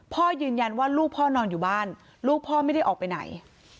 พ่อยืนยันว่าลูกพ่อนอนอยู่บ้านลูกพ่อไม่ได้ออกไปไหน